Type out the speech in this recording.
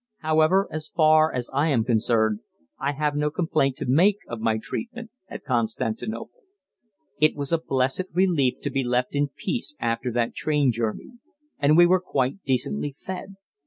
However, as far as I am concerned, I have no complaint to make of my treatment at Constantinople. It was a blessed relief to be left in peace after that train journey, and we were quite decently fed.